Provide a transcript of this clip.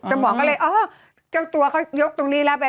หมอก็เลยอ๋อเจ้าตัวเขายกตรงนี้แล้วไป